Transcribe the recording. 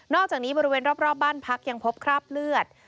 อกจากนี้บริเวณรอบบ้านพักยังพบคราบเลือด